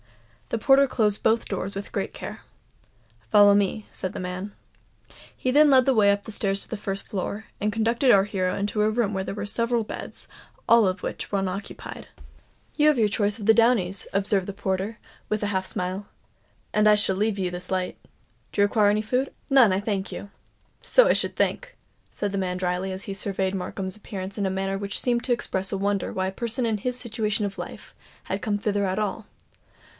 The porter closed both doors with great care. "Follow me," said the man. He then led the way up stairs to the first floor, and conducted our hero into a room where there were several beds, all of which were unoccupied. "You have your choice of the downies," observed the porter, with a half smile; "and I shall leave you this light. Do you require any food?" "None, I thank you." "So I should think," said the man drily, as he surveyed Markham's appearance in a manner which seemed to express a wonder why a person in his situation of life had come thither at all.